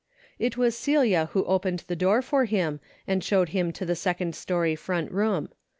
It was Celia who opened the door for him and showed him to the second story front room.